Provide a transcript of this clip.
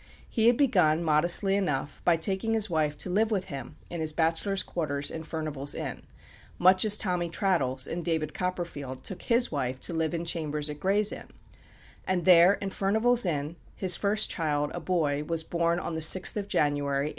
He had begun, modestly enough, by taking his wife to live with him in his bachelor's quarters in Furnival's Inn, much as Tommy Traddles, in "David Copperfield," took his wife to live in chambers at Gray's Inn; and there, in Furnival's Inn, his first child, a boy, was born on the 6th of January, 1837.